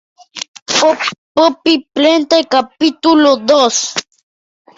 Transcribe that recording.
Un pequeño grupo de hacendados se beneficiaron de esta situación.